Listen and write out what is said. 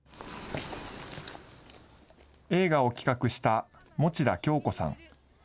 映画を企画した持田恭子さん。